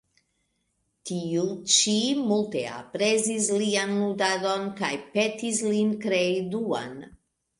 Tiu ĉi multe aprezis lian ludadon kaj petis lin krei Duan.